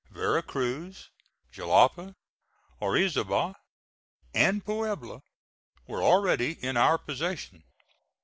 Vera Cruz, Jalapa, Orizaba, and Puebla were already in our possession.